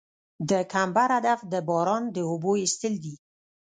د کمبر هدف د باران د اوبو ایستل دي